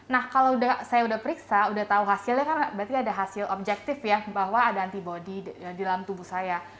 nah kalau saya udah periksa sudah tahu hasilnya kan berarti ada hasil objektif ya bahwa ada antibody di dalam tubuh saya